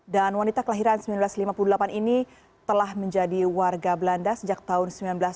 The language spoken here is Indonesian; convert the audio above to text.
dan wanita kelahiran seribu sembilan ratus lima puluh delapan ini telah menjadi warga belanda sejak tahun seribu sembilan ratus tujuh puluh sembilan